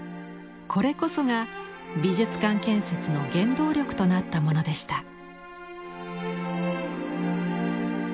これこそが美術館建設の原動力となったものでした。